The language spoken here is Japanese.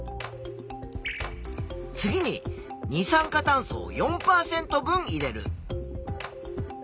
次に二酸化炭素を４％分入れる。